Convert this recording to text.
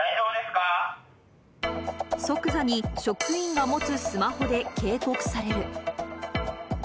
即座に職員が持つスマホで警告される。